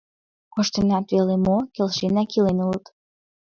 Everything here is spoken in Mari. Коштыныт веле мо — келшенак илен улыт.